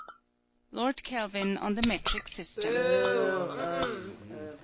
LORD KELVIN ON TEE METRIC SYSTEM.